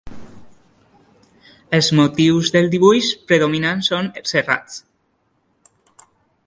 Els motius del dibuix predominants són serrats.